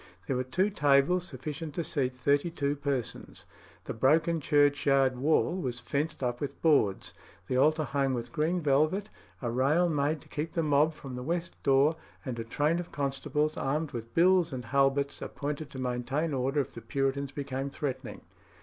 There were two tables sufficient to seat thirty two persons. The broken churchyard wall was fenced up with boards, the altar hung with green velvet, a rail made to keep the mob from the west door, and a train of constables, armed with bills and halberts, appointed to maintain order if the Puritans became threatening.